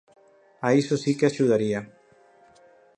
A iso si que axudaría.